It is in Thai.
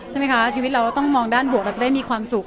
ใช่ไหมคะชีวิตเราเราต้องมองด้านบวกเราจะได้มีความสุข